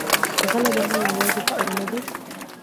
غله دانه یوازې خواړه نه دي.